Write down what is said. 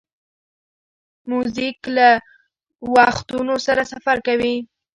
موزیک له وختونو سره سفر کوي.